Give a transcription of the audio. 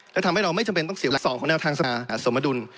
และทำให้เราไม่จำเป็นต้องเสียหลัก๒ของแนวทางสมดุล